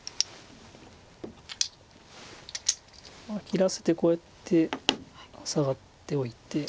切らせてこうやってサガっておいて。